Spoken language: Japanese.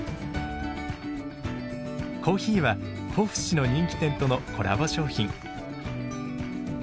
コーヒーは甲府市の人気店とのコラボ商品。